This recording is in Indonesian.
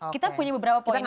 kita punya beberapa poinnya